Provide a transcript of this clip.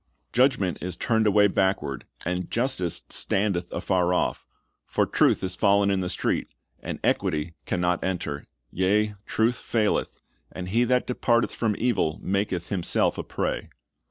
"Judgment is turned away backward, and justice standeth afar off; for truth is fallen in the street, and equity can nt)t 1 James 5: i O ''S//a// Xot God Avenge His Ozvnf \j\ enter. Yea, truth faileth; and he that departeth from evil maketh himself a prey."